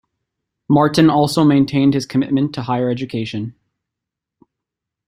Martin also maintained his commitment to higher education.